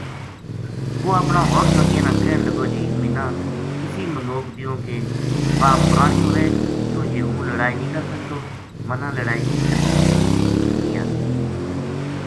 وہ اپنا ہور سنگیاں نا کہن لگو جی منا اِسی مدوک دیوں کی واہ پرانی ہووے کیوں جی ہوں لڑائی نیہہ کر سکتو منا لڑائی کی ترتیب نیہہ آتی